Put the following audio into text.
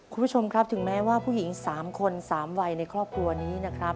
คุณผู้ชมถึงแม้ผู้หญิง๓คน๓วัยในครอบครัวนี้